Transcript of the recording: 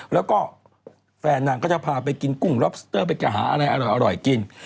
แล้วก็แฟนนางก็จะพาไปกินกุ้งล็อบสเตอร์ไปจะหาอะไรอร่อยกิน